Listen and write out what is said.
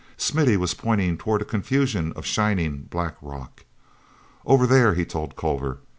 Smithy was pointing toward a confusion of shining black rock. "Over there," he told Culver.